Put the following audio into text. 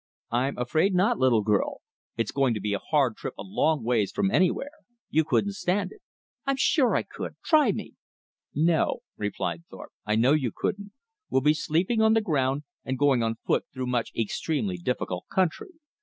"I'm afraid not, little girl. It's going to be a hard trip a long ways from anywhere. You couldn't stand it." "I'm sure I could. Try me." "No," replied Thorpe. "I know you couldn't. We'll be sleeping on the ground and going on foot through much extremely difficult country."